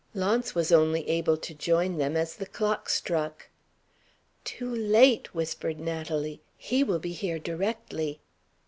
Launce was only able to join them as the clock struck. "Too late!" whispered Natalie. "He will be here directly."